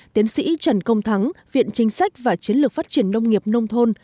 tiến sĩ trần công thắng viện chính sách và chiến lược phát triển nông nghiệp nông thôn